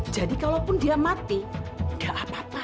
jadi kalaupun dia mati enggak apa apa